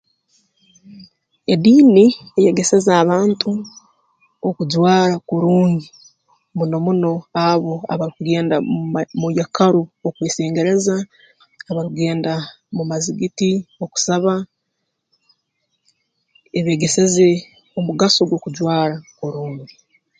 Ediini eyegeseze abantu okujwara kurungi muno muno abo abarukugenda mu ma mu yekaru okwesengereza abarukugenda mu mazigiti okusaaba ebeegeseze omugaso gw'okujwara kurungi